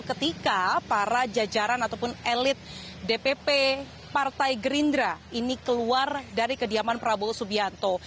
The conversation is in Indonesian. ketika para jajaran ataupun elit dpp partai gerindra ini keluar dari kediaman prabowo subianto